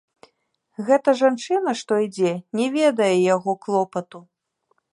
Гэта жанчына, што ідзе, не ведае яго клопату.